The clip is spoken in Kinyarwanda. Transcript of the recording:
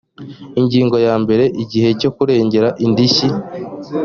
ingingo ya mbere igihe cyo kuregera indishyi